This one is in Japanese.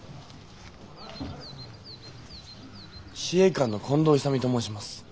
試衛館の近藤勇と申します。